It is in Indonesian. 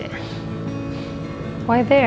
kenapa di sana